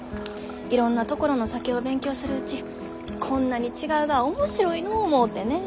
いろんなところの酒を勉強するうちこんなに違うがは面白いのう思うてねえ。